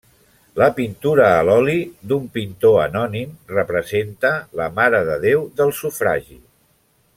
La pintura a l'oli, d'un pintor anònim, representa la Mare de Déu del Sufragi.